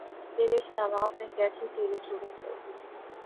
تیرے حالات نے کیسی تری صورت کر دی